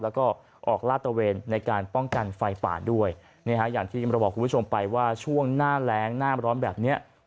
แล้วก็ออกลาดตะเวนในการป้องกันไฟป่าด้วยอย่างที่เราบอกคุณผู้ชมไปว่าช่วงหน้าแรงหน้าร้อนแบบนี้